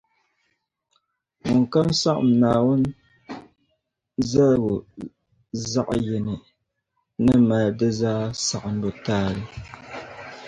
ŋunkam saɣim Naawuni zaligu zaɣ’ yini ni mali di zaa saɣimbu taai.